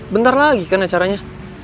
bentar lagi kan acaranya